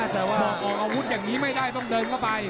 แต่ว่าออกอาวุธอย่างนี้ไม่ได้ต้องเดินเข้าไป